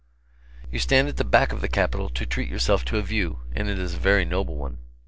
You stand at the back of the capitol to treat yourself to a view, and it is a very noble one.